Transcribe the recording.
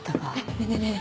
ねえねえねえ